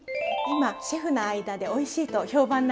今シェフの間でおいしいと評判なんですよ。